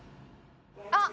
あっ！